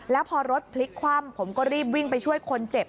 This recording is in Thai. แล้วพอรถพลิกคว่ำผมก็รีบวิ่งไปช่วยคนเจ็บ